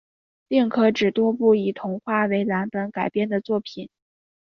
另可指多部以童话为蓝本改编的作品